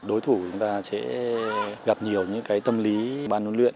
đối thủ chúng ta sẽ gặp nhiều những tâm lý ban đấu luyện